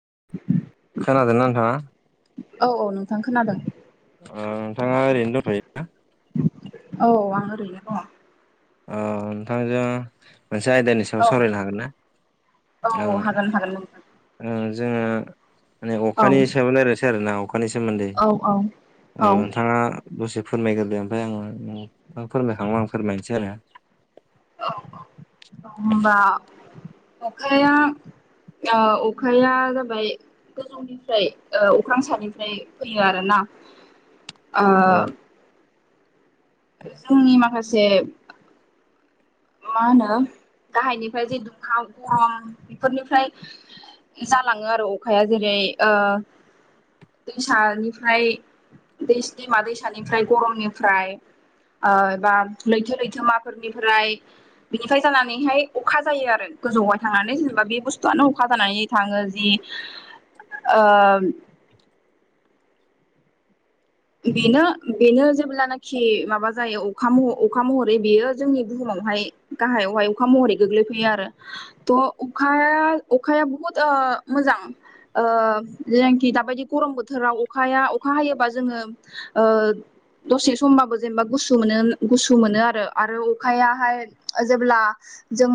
[inaudible] खोनादोंना नोंथाङा? औ औ नोंथां खोनादों। ओ नोंथाङा ओरैनो दंथ'यो ना? औ आं ओरैयो दङ'। अ नोंथांजों मोनसे आयदानि सायाव औ सावरायनो हागोन ना? औ ओ हागोन हागोन नोंथां जोङो माने औ अखानि सायाव रायलायनोसै आरोना अखानि सोमोन्दै औ औ ओ औ नोंथाङा दसे फोरमायग्रोदो ओमफ्राय आं ओं नों फोरमायखांब्ला आं फोरमायनोसै आरो। औ औ होमबा अखाया ओ अखाया जाबाय गोजौनिफ्राय अख्रां सानिफ्राय फैयो आरोना। [inaudible] आ औ जोंनि माखासे मा होनो गाहायनिफ्राय जे दुंहाव गरम बेफोरनिफ्राय जालाङो आरो अखाया जेरै ओ दैसानिफ्राय दै दैमा दैसानिफ्राय गरमनिफ्राय ओ बा लैथो लैथोमाफोरनिफ्राय बिनिफ्राय जानानैहाय अखा जायो आरो। गोजौआव थांनानै जेनेबा बे बुस्थुआनो अखा जानानै थाङो जि ओ बेनो बेनो जेब्लानाखि माबा जायो अखा म अखा महरै बेयो जोंनि बुहुमाव हाय गाहाइयावहाय अखा महरै गोग्लैफैयो आरो थ' अखाया अखाया बुहुत ओ मोजां ओ जेनाखि दाबायदि गरम बोथोराव अखाया अखा हायोबा जोङो ओ दसे समबाबो जेनेबा गुस मोनो गुसु मोनो आरो आरो अखायाहाय जेब्ला जों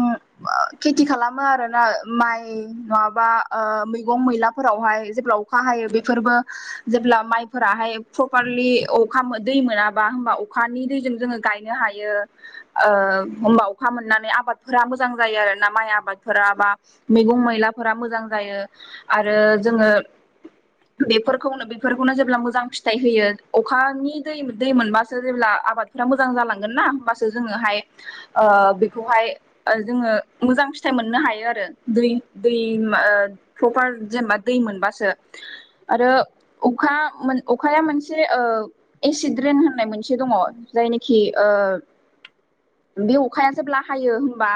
खेथि खालामो आरोना माइ नङाबा ओ मैगं मैला फोरावहाय जेब्ला अखा हायो बेफोरबो जेब्ला माइफोराहाय प्रपारलि अखा दै मोनाबा होमबा अखानि दैजों जोंङो गायनो हायो। ओ ओ होनबा अखा मोननानै आबादफोरा मोजां जायो आरोना माइ आबादफोरा बा मैगं मैलाफोरा मो मोजां आरो जोङो बेफोरखौनो बेफोरखौनो जेब्ला मोजां फि फिथाइ होयो अखानि दै दै मोनबासो जेब्ला आबादफोरा मोजां जालांगोन ना? होमबासो जोङोहाय ओ बेखौहाय जोङो मोजां फिथाइ मोननो हायो आरो दै दै ओ प्रफार जेनेबा दै मोनबासो आरो अखा मोन अखाया मोनसे ओ एसिड रेन होननाय मोनसे दङ' जायनिखि ओ बे अखाया जेब्ला हायो होनबा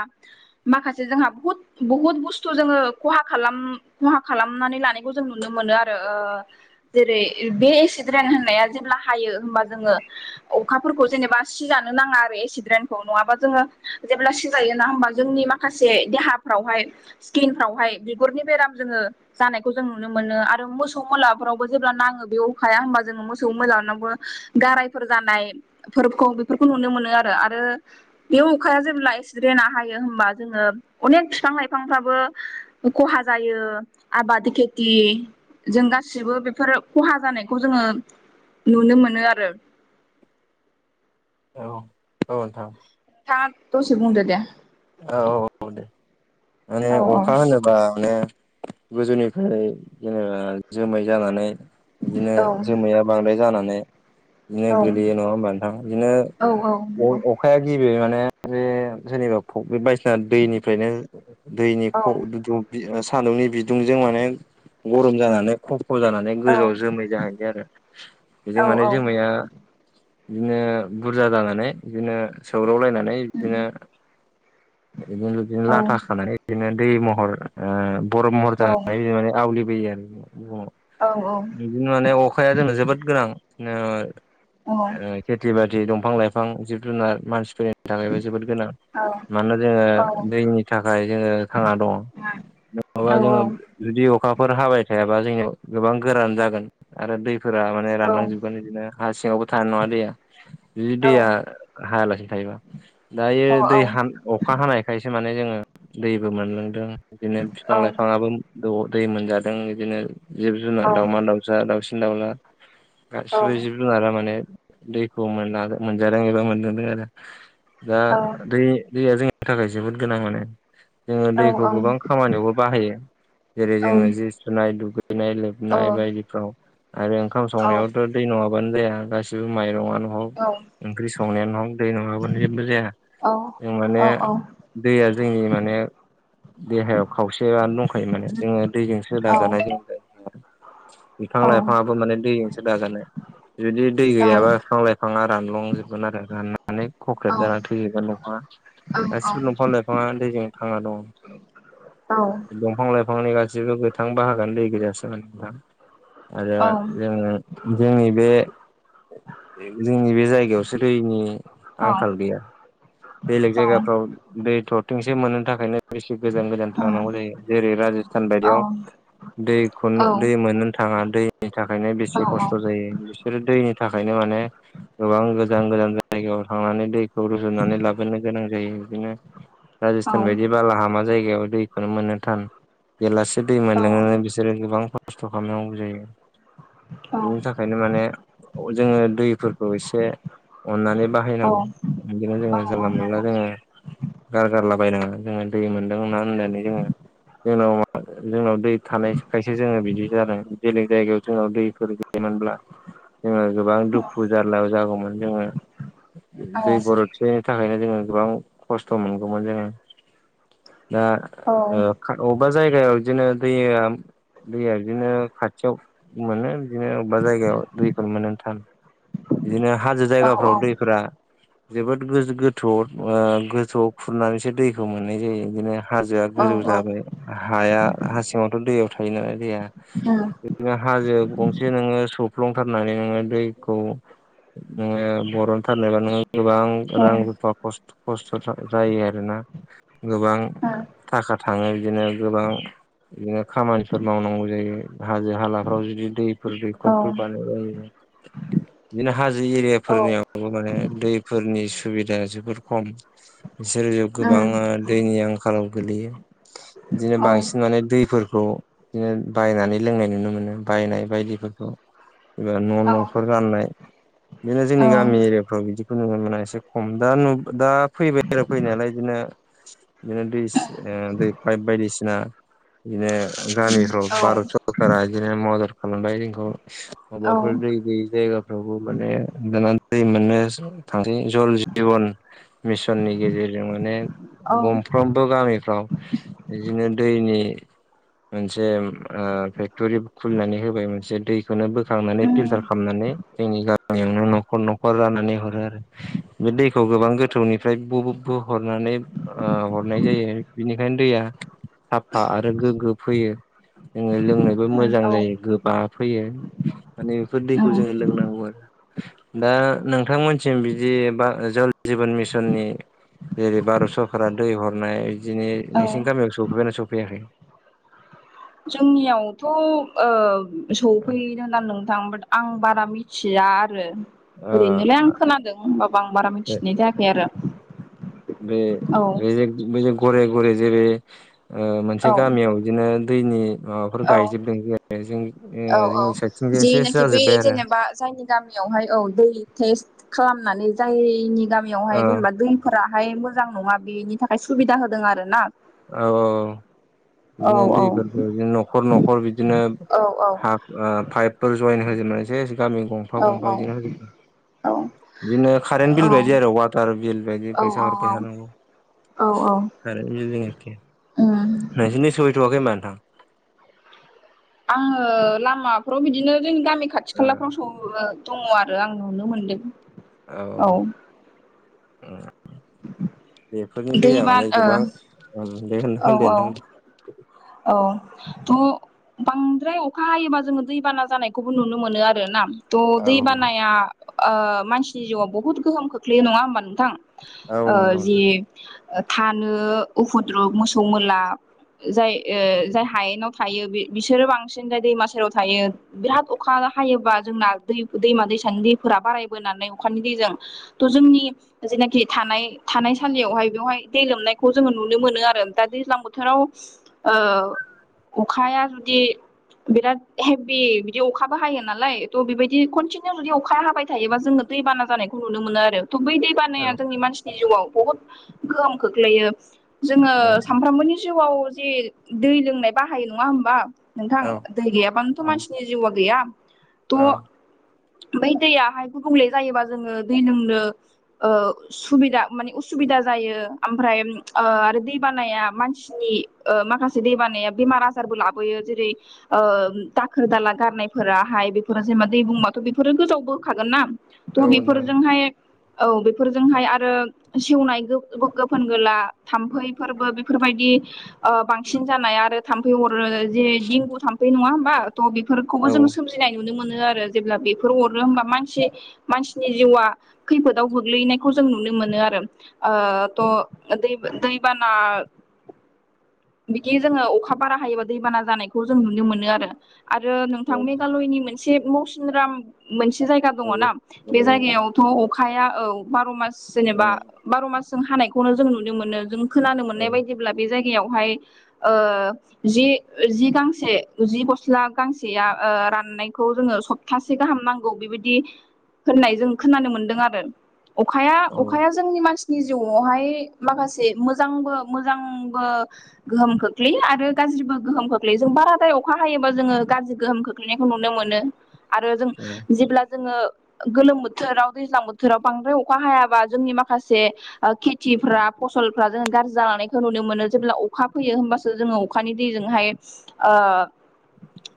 माखासे जोंहा बहुद बुहुत बुस्थु जोङो खहा खालाम खहा खालामनानै लानायखौ जों नुनो मोनो आरो। ओ जेरै बे एक्सिड रेन होननाया जेब्ला हायो ओमबा जोङो अखाफोरखौ जेनेबा सिजानो नांङा आरो एक्सिड रेन खौ नङाबा जोङो जेब्ला सिजायोना होनबा जोंनि माखासे देहाफ्रावहाय स्किनफ्रावहाय बिगुरनि बेराम जोङो जानायखौ जों नुनो मोनो आरो मोसौ मोलाफोरावबो जेब्ला नाङो बेयाव अखाया होनबा जोङो मोसौ मोलानावबो गारायफोर जानायफोरखौ बेफोरखौ नुनो मोनो आरो। आरो रो बे अखाया जेब्ला एसिद रेना हायो होमबा जोंशङो अनेक बिफां लाइफांफ्राबो खहा जायो आबाद खेथि जों गासिबो बेफोर खहा जानायखौ खौ जोङो नुनो मोनो आरो। औ औ नोंथां। नोंथांङा दसे बुंदो दे औ औ दे माने औ अखा होनोबा माने गोजौनिफ्राय जेनेबा जोमै जानानै बिदिनो औ जोमैया बांद्राय जानानै। बिदिनो औ गोलैयो नंङा हबा नोंथां बिदिनो औ औ नंगौ अखाया गिबि माने जे जेनिबा फुख्रि बायदिसिना दैनिफ्रायनो दैनि औ सान्दुंनि बिदुंजों माने गरम जानानै खस खा [unintelligible] सख' जानानै औ गोजौआव जोमै जाहैबाय आरो बेजों औ माने औ जोमैया बिदिनो बुरजा जानानै बिदिनो सौ्रावलायनानै बिदिनो बिदिनो बिदिनो लाथा खानाय बिदिनो दै महर बरफ महर जानाय माने आवलिबोयो आरो। ब औ औ बिदिनो माने अखाया जोंो जोबोद गोनां बिनो खेथि बाथि दंफां लाइफां जिब जुनार मानसिफोरनि थाखायबो जोबोद गोनां मानो जोङो दैनि थाखाय जोङो खाना दङ। नङाबा जोङो जुदि अखाफोर हाबाय थायाबा जोंनियाव गोबां गोरान जागोन आरो दै फोर माने रानलांजोबगोन बिदिनो हा सिङावबो थानाय नङा दैया जुदि दैया हायालासि थायोबा। दायो दै हान अखा हानायखायसो माने जोङो दैबो मोनलोंदों बिदिनो बिफां लाइफाङाबो द दै मोनजादों बिदिनो जिब जुनार दावउमा दाउसा दाउसिन दाउला गासिबो जिब जुनारा माने दैखौ मोनला मोनजादों एबा मोनजादों आरो दा दै दैया जोंनि थाखाय जोबोद गोनां मोनो। जोङो दैखौ गोबां खामानियावबो बाहायो जेरै औ जोङो जि सुनाय दुगै फैनाय औ लोबनाय बायदिफ्राव आरो ओंखाम औ औ संनायावथ' दै नङाबानो जाया गासिबो माइरङानो औ औ ओंख्रि संनायानो ह दै नङाबानो जेबो जाया। जों माने औ दैया जोंनि माने देहायाव खावसेयनो दंखायो माने जोङो दैजों सोदा जानायजोंों बिफां लाइफाङाबो माने दैजोंसो दाजानाय जुदि दै गैयाबा बिफां लाइफाङा रानलांजोबगोन आरो राननानै खख्रेब जानानै थैजोबगोन न'ा गासिबो दंफां लाइफाङा दैजों थांा दं दंफां लाइफांनि गासैबो गासिबो गोथां बाहागान दै गजासो मानां आरो जोङो जोंनि बे जोंनि बे जायगायावसो दैनि आंखाल गैया बेलेग जायगाफ्राव टथिंसे मोननो थाखायनो गोजान गोजान थांनांगौ जायो जेरै राज सान बायदियाव दैखौ दै मोनोनो थाङा। दैनि थाखायनो बेसे खस्थ' जायो बिसोरो दैनि थाखायनो माने गोबां गोजान गोजान ज थांनानै दै रुजनानै लाबोनो गोनां जायो बिदिनो औ राजस्थान बायदि बालाहामा जायगायाव। दैखौनो मोननो थान बेेलासे दै मोनलोंनानै बिसोरो गोबां खस्थ' खालामनांगौ जायो। बिनि औ थाखायनो माने जोङो दैफोरखौ एसे अननानै औ बाहायनांगौ बिदिनो नंगौ औ औ जोङो उम उम जानला उम मोनला जोङो गार गारलाबायायनाङा। जोङो दै मोनदों ना होननानै जोङो जोंनाव जोंनाव दै थानाय खायसेो जोङो बिदि जादों बेलेग जायगायाव जोंनाव दैफोर गैयोनब्ला जोङो गोबां दुखु जार्लायाव जागौमोन जोङो दै गरदसे नि थाखायनो जोङो गोबां खस्थ' मोनगौमोन जोङो। दा अबेबा जायगायाव बिदिनो दैया दैया बिदिनो खाथियाव मोनो बिदिनो अबेबा जायगायाव दैखौनो मोनोन थ बिदिनो हाजो जायगाफ्राव दैफोरा जोबोद गो गोथौ गोथौआव खुरनानैसो दैखौ मोननाय जायो बिदिनो हाजोआ गोजौ जाबाय हाया हा सिङावथ' दैयाव थायो नालाय दैया। बिदिनो हाजो गंसे नोङो सौफ्लं थारनानै नोङो दैखौ नोङो बरन थारनोबा नोङो गोबां रां रुफा खस्थ' खस्थ' जा जायो आरोना। गोबां थाखा थाङो बिदिनो गोबां बिदिनो खामानि फोर मावनांगौ जायो हाजो हालाफ्राव जुदि दै फोर दैकरफोर बानाय जायो। बिदिनो हाजो एरिया औ औ उम फोरनियाव माने दै फोरनि सु बिदाया जोबोद खम इसोर गोबां दैनि आंखालाव गोलैयो। इदिनो बांसिन माने दै फोर खौ इदिनो बायनानै लोंनाय नुनो मोनो बायनाय बायदि फोरखौ। एबा न' औ न' फोर राननाय बिदिनो जोंनि गामि एरिया फ्राव बिदिखौ नुनो मोना एसे खम दा नु दा फैबाय आरो फैनायालाय बिदिनो बिदि दै ओ दै फाइभ बायदिसिना बिदिनो गामिफ्राव औ भारत सरखारा बिदिनो मदद खालामबाय जोंखौ औ उम माबाफोर दैै गयै जायगा फ्रावबो माने दाना दै मोननो थांसै जल जिवन मिसननि गेजेर जों माने गंफ्रोमबो गामिफ्राव बिदिनो दैनि मोनसे ओ थुरिभ खुलिनानै होबाय मोनसे दै खौनो बोखांनानै फिल्टार उम खालामनानै जोंनि गामियावनो न'खर न खर राननानै हरो आरो बे दैखौ गोबां गोथौनिफ्राय बोहरनानै ओ हरनाय जायो बिनिखायनो दैया साफा आरो गोगो फैयो। जोङो लोंनोबो मोजां औ जायो गोबाब फैयो माने बेफोर दैखौ उम जोङो लोंनांगौ आरो। दा नोंथांमोनसिम बिदि जल जिबन मिसननि जेरै भारत सरकारा दै हरनाय बिदिनि औ नोंसिनि गामियाव सफैबाय ना सफैयाखै? जोंनियाव थ' ओ सौफैदों दां नोंथां आं बारा मिथिया आरो। ओ ओरैनोलाय आं खोनादों होनबा बो आं बारा मिथिनाय जायाखै आरो बे औ। बे जे बे जे घरे घरे जेरै ओ मोनसे औ गामियाव बिदिनो दैनि माबाफोर औ गाय जोबदों जेरै ओ जों औ औ जोंनि साइडथिं सेस जाजोबबाय आरो। हाय औ दै टेस्ट खालामनानै जाय नि गामियाव ओ हाय जेनेबा दैफोरा बाहाय मोजां नङा बेनि थाखाय सुबिदा होदों आरो ना। औ औ औ औ बिदिनो औ दैफोरखौ जों बिदिनो न'खर न'खर बिदिनो औ हाफ ओ पाइप फोर जइेन होजोबनोसै गामि गंफा औ गंफा बिदिनो होजोब औ इदिनो कारेन्ट बिल बायदि आरो वाटार बिल बायदि औ फैसा हरबाय औ थानांगौ। औ औ कारेन्ट निजों एखे। उम नोंसिनिथिं सहैथ'वाखै होमबा नोंथां? आङो लामाफ्राव बिदिनो जोंनि गामि खाथि ओ खालाफ्राव सौ ओ दङ आरो आं नुनो मोनदों। औ उम। [inaudible] बेफोरनि दैया दैबा माने गोबां उम दे ओ होनदे औ नोंथां। औ थु बां द्राय अखा हायोबा जोङो दैबाना जानायखौबो नुनो मोनो आरो ना। थ' दै औ बानाया ओ मानसिनि जिउआव बहुद गोहोम खोख्लैयो नङा होमबा नोंथां? औ ओ नंगौ जि नोंथां थानो उफुद्रु मोसौ मोला जाय ओ जाय हायेनाव थायो बि बिसोरो बांसिन जाय दैमा सेराव थायो बिराद अखा हायोबा जोंना दै-दैमा दैसानि दैफोरा बारायबोनानै अखानि दैजों थ' जोंनि जायनाखि थानाय थानाय सानदियावहाय बेवहाय दै लोमनायखौ जोङो नुनो मोनो आरो दा दैज्लां बोथोराव ओ अखाया जुदि बिराद हेभि बिदि अखाबो हायो नालाय थ' बिबायदि कन्टिनिउ जुदि अखाया हाबाय थायोबा जोङो दैबाना जानायखौ नुनो मोनो आरो। थ' बै दै औ बानाया जोंनि मानसिनि जिउआव बहुत गोहोम खोख्लैयो। जोङो औ सामफ्रामबोनि जिउआव जे दै लोंनाय बाहायो, नङा होमबा? नोंथां औ दै गैयाबानोथ' ओं मानसिनि जिउआ गैया। औ थ' बै दैयाहाय गुबुंले जायोबा जोङो दै लोंनो ओ सुबिदा माने उसु बिदा जायो। आमफ्राय ओ आरो दै बानाया मानसिनि माखासे दै बानाया बेमार आजारबो लाबोयो। जेरै ओ दाखोर दाला गारनायफोराहाय बेफोर जेनबा दै बुंबाथ' बेफोरो गोजावबोखागोनना, थह औ नोंथां बेफोरजोंहाय औ बेफोरजोंहाय आरो सेवनाय गोफ-गोफोन गोला थाम्फैफोरबो बेफोर बायदि ओ बांसिन जानाय आरो थाम्फै अरो जे देंगु थाम्फै, नङा होमबा? थ' बेफोरखौबो औ जोङो सोमजिनाय नुनो मोनो आरो जेब्ला बेफोर अरो होमबा मानसि मानसिनि जिउआ खैफोदाव गोग्लैनायखौ जों नुनो मोनो आरो। ओ थह दैबो दै बाना बिदि जोङो अखा बारा हायोबा दैबाना जानायखौ जों नुनो मोनो आरो। आरो औ नोंथां मेघालयनि मोन से मौसिनराम मोनसे जायगा दङना औ बे जायगायावथ' अखाया औ बार'मास औ जेनेबा बार' मासजों हानायखौनो जों नुनो मोनो। जों खोनानो मोननाय बायदिब्ला बे जायगायावहाय ओ जि गांसे जि गस्ला गांसेया ओ राननायखौ जोङो सप्तासे गाहाम नांगौ बेबायदि होननाय जों खोनानो मोनदों आरो। अखाया औ अखाया जोंनि मानसि नि जिउआवहाय माखासे मोजांबो मोजांबो गोहोम खोख्लैयो आरो गाज्रिबो गोहोम खोख्लैयो। जों बाराद्राय अखा हायोबा जोङो गाज्रि गोहोम खोख्लैनायखौ नुनो मो नो आरो जों औ जेब्ला जोङो गोलोम बोथोराव दैज्लां बोथोराव बांद्राय अखा हायाबा जोंनि माखासे ओ खेथिफ्रा फसलफ्रा जों गाज्रि जालांनायखौ नुनो मोनो जेब्ला अखा फैयो होमबासो जोङो अखानि दैजोंहाय अ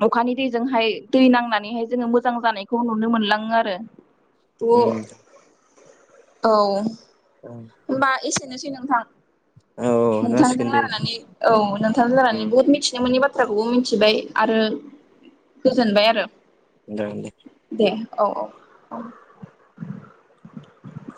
अखानि दैजोंहाय दै नांनानैहाय जोङो मोजां जानायखौ नुनो मोनलाङो आरो। उम औ उम होनबा एसेनोसै नोंथां। औ नोंथांजों जासिगोन दे। रायलायनानै औ नोंथांजों रायलानानै उम बुहुत मिथिनो मोनि बा थ्राखौबो मिथिबाय आरो गोजोनबाय आरो। जागोन दे। दे औ औ औ।